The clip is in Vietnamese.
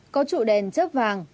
có trụ đèn chấp vàng